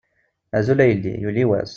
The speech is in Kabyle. Azul a yelli, yuli wass!